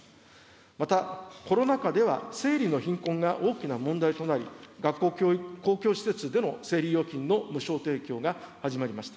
またコロナ禍では生理の貧困が大きな問題となり、学校・公共施設での生理用品の無償提供が始まりました。